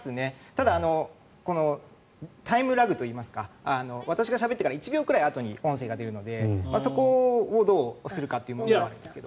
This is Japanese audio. ただ、タイムラグといいますか私がしゃべってから１秒ぐらいあとに音声が出るのでそこをどうするかという問題もありますけど。